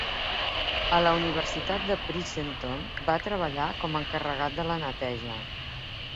A la Universitat de Princeton va treballar com a encarregat de la neteja.